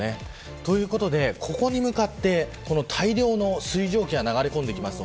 ということで、ここに向かって大量の水蒸気が流れ込んできます。